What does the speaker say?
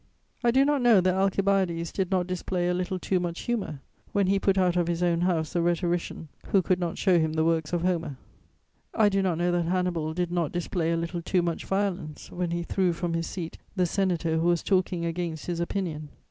I do not know that Alcibiades did not display a little too much humour when he put out of his own house the rhetorician who could not show him the works of Homer. I do not know that Hannibal did not display a little too much violence when he threw from his seat the senator who was talking against his opinion.